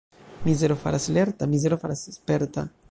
Mizero faras lerta, mizero faras sperta.